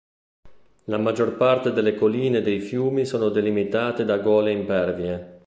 La maggior parte delle colline e dei fiumi sono delimitate da gole impervie.